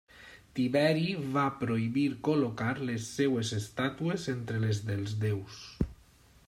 Tiberi va prohibir col·locar les seves estàtues entre les dels déus.